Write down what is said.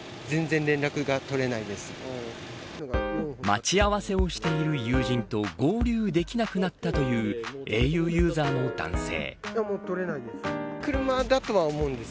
待ち合わせをしている友人と合流できなくなったというａｕユーザーの男性。